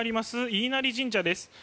飯生神社です。